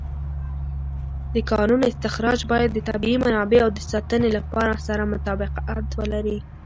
د کانونو استخراج باید د طبیعي منابعو د ساتنې سره مطابقت ولري.